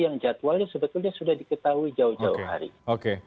yang jadwalnya sebetulnya sudah diketahui jauh jauh hari